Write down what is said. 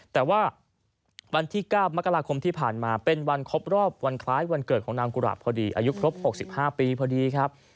แต่ว่าวันที่๙มกราคมที่ผ่านมาเป็นวันครบรอบวันคล้ายวันเกิดของนางกุหลาบพอดีอายุครบ๖๕ปีพอดีครับ